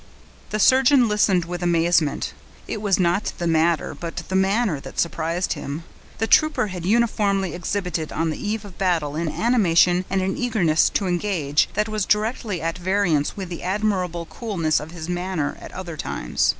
The surgeon listened with amazement. It was not the matter, but the manner that surprised him. The trooper had uniformly exhibited, on the eve of battle, an animation, and an eagerness to engage, that was directly at variance with the admirable coolness of his manner at other times.